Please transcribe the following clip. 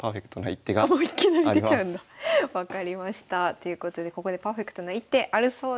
ということでここでパーフェクトな一手あるそうです。